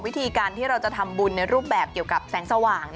วิธีการที่เราจะทำบุญในรูปแบบเกี่ยวกับแสงสว่าง